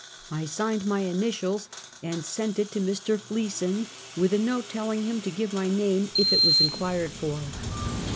I signed iny initials, and sent it to Mr. Fleeson, with a note telling him to give my name if it was inquired for.